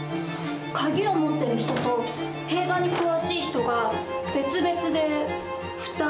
鍵を持ってる人と映画に詳しい人が別々で２人。